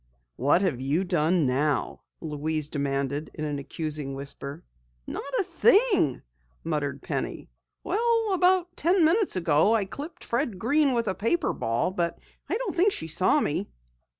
"What have you done now?" Louise demanded in an accusing whisper. "Not a thing," muttered Penny. "About ten minutes ago I clipped Fred Green with a paper ball, but I don't think she saw me."